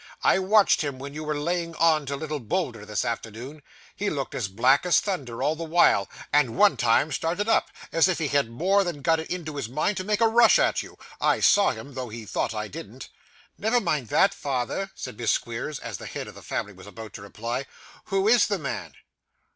I watched him when you were laying on to little Bolder this afternoon. He looked as black as thunder, all the while, and, one time, started up as if he had more than got it in his mind to make a rush at you. I saw him, though he thought I didn't.' 'Never mind that, father,' said Miss Squeers, as the head of the family was about to reply. 'Who is the man?